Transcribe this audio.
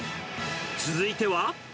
続いては。